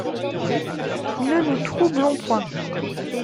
Ne nous troublons point.